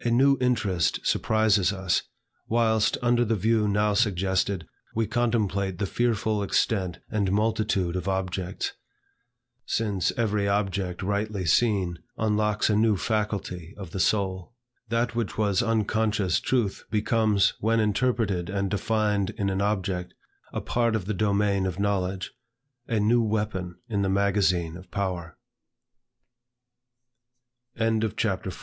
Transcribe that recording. A new interest surprises us, whilst, under the view now suggested, we contemplate the fearful extent and multitude of objects; since "every object rightly seen, unlocks a new faculty of the soul." That which was unconscious truth, becomes, when interpreted and defined in an object, a part of the domain of knowledge, a new weapon in the magazine of power. CHAPTER V. DISCIPLINE.